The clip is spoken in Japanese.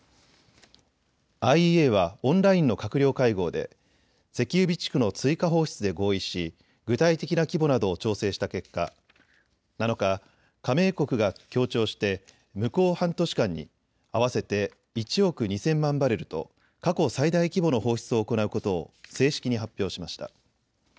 ＩＥＡはオンラインの閣僚会合で石油備蓄の追加放出で合意し具体的な規模などを調整した結果、７日、加盟国が協調して向こう半年間に合わせて１億２０００万バレルと過去最大規模の放出を行うことを正式に発表しました。